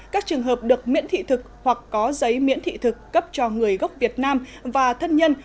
các trường hợp được miễn thị thực hoặc có giấy miễn thị thực cấp cho người gốc việt nam và thân nhân